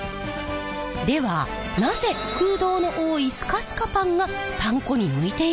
ではなぜ空洞の多いスカスカパンがパン粉に向いているんでしょう？